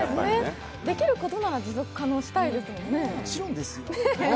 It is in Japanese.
できることなら持続可能したいですもんね。